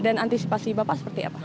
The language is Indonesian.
dan antisipasi bapak seperti apa